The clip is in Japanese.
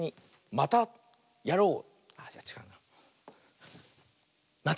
「またやろう！」。